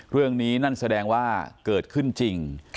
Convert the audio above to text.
เรื่องนี้นั่นแสดงว่าเกิดขึ้นจริง